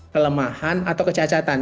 kelemahan atau kecacatan